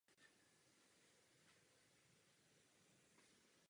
V logu klubu a na dresech je leopard.